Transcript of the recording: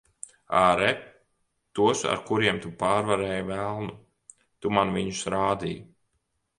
Āre tos, ar kuriem tu pārvarēji velnu. Tu man viņus rādīji.